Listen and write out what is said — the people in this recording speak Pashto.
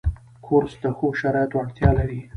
کورس د ښو شرایطو اړتیا لري.